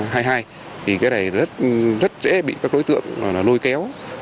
thì cái này rất dễ bị các đối tượng lôi kéo